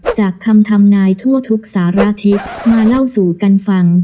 จากคำทำนายทั่วทุกสารทิศมาเล่าสู่กันฟัง